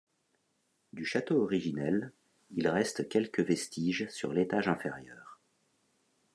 Du château originel, il reste quelques vestiges sur l'étage inférieur.